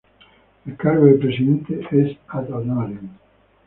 El cargo de Presidente es "ad honorem".